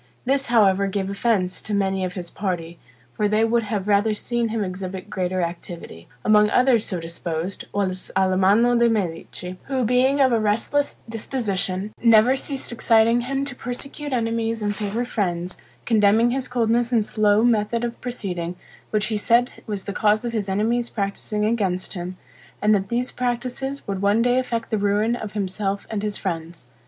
This, however, gave offense to many of his party; for they would have rather seen him exhibit greater activity. Among others so disposed, was Alamanno de' Medici, who being of a restless disposition, never ceased exciting him to persecute enemies and favor friends; condemning his coldness and slow method of proceeding, which he said was the cause of his enemies' practicing against him, and that these practices would one day effect the ruin of himself and his friends.